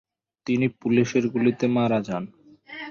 তিনি পুলিশের গুলিতে মারা যান।